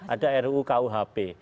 ada ruu kuhp